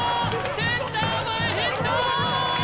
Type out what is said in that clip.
センター前ヒット！